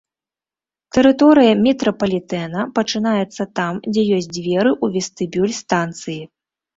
Тэрыторыя метрапалітэна пачынаецца там, дзе ёсць дзверы ў вестыбюль станцыі.